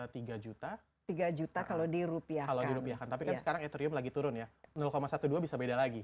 tiga juta tiga juta kalau dirupiah kalau dirupiah tapi sekarang itu lagi turun ya dua belas bisa beda lagi